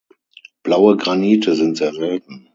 Blaue Granite sind sehr selten.